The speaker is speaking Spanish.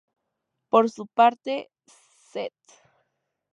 Por su parte, St.